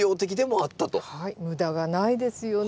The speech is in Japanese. はい無駄がないですよね。